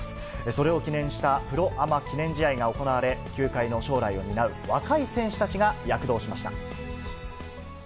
それを記念したプロアマ記念試合が行われ、球界の将来を担う若い選手たちが躍動しました。